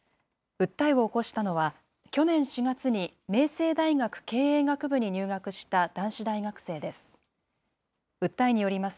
訴えを起こしたのは、去年４月に明星大学経営学部に入学した男子大学生です。